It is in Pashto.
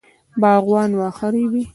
باغوانان واښه رېبي.